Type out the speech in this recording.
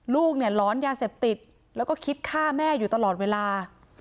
ลูกเนี่ยหลอนยาเสพติดแล้วก็คิดฆ่าแม่อยู่ตลอดเวลา